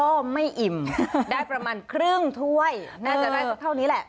ก็ไม่อิ่มได้ประมาณครึ่งถ้วยน่าจะได้สักเท่านี้แหละ